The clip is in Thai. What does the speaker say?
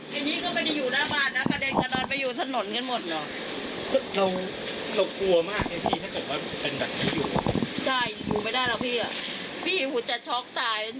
เหมือนเป็นโรคหัวใจแล้วแหละ